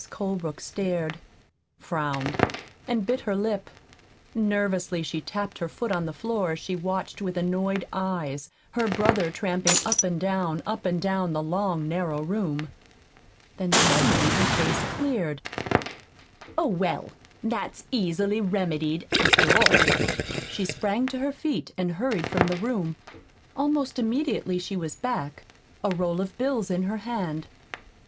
Colebrook stared, frowned, and bit her lip. Nervously she tapped her foot on the floor as she watched with annoyed eyes her brother tramping up and down, up and down, the long, narrow room. Then suddenly her face cleared. "Oh, well, that's easily remedied, after all." She sprang to her feet and hurried from the room. Almost immediately she was back a roll of bills in her hand.